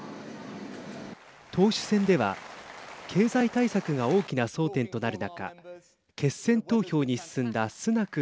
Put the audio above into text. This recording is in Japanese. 党首選では経済対策が大きな争点となる中決選投票に進んだスナク